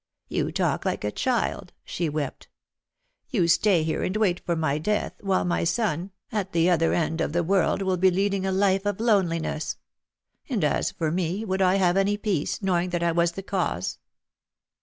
"You talk like a child," she wept. "You stay here and wait for my death, while my son, at 30 OUT OF THE SHADOW the other end of the world, will be leading a life of loneliness. And as for me, would I have any peace, knowing that I was the cause?"